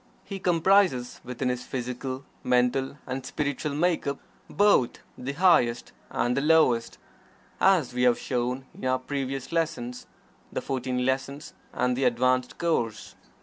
He comprises within his physical, mental and spiritual make up both the highest and the lowest, as we have shown in our previous lessons (the "Fourteen Lessons" and the "Advanced Course").